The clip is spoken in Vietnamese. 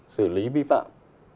xử lý vi phạm